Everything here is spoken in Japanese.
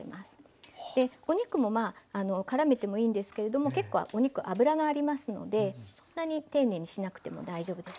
お肉もからめてもいいんですけれども結構お肉脂がありますのでそんなに丁寧にしなくても大丈夫です。